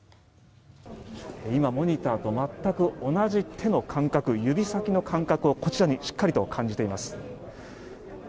今、モニターと全く同じ手の感覚指先の感覚を、こちらにしっかりと感じています。